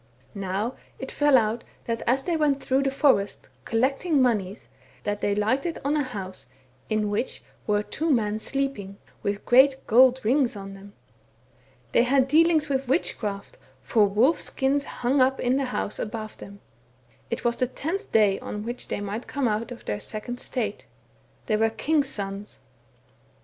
... Now it fell out that as they went through the forest, collecting monies, that they lighted on a house in which were two men sleeping, with great gold rings on them; they had dealings with witchcraft, for wolf skins hnng up in the house above them ; it was the tenth day on which they might come out of their second state. They were kings' sons.